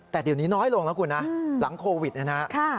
แต่เดี๋ยวนี้น้อยลงนะคุณนะหลังโควิดนะครับ